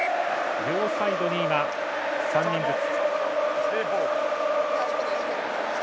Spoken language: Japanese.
両サイドに今、３人ずつ。